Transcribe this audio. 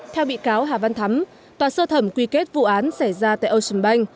theo bị cáo hà văn thắm tòa sơ thẩm quy kết vụ án xảy ra tại ocean bank